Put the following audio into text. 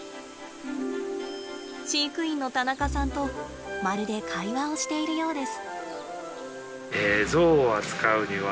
飼育員の田中さんとまるで会話をしているようです。